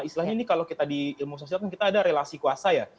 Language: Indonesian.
istilahnya ini kalau kita di ilmu sosial kan kita ada relasi kuasa ya